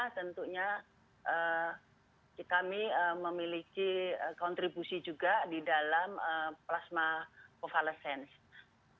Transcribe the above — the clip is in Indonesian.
tentunya kami memiliki kontribusi juga di dalam plasma covalescense